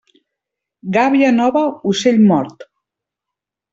Gàbia nova, ocell mort.